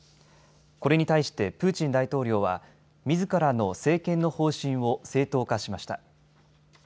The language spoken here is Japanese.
これに対してプーチン大統領はみずからの政権の方針を正当化しました。